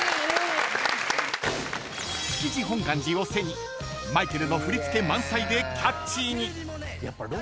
［築地本願寺を背にマイケルの振り付け満載でキャッチーに］